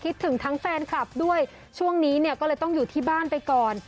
ถึงทั้งแฟนคลับด้วยช่วงนี้เนี่ยก็เลยต้องอยู่ที่บ้านไปก่อน